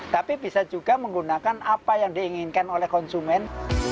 tapi bisa juga menggunakan apa yang diinginkan oleh konsumen